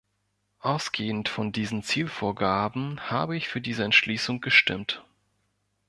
Ausgehend von diesen Zielvorgaben habe ich für diese Entschließung gestimmt.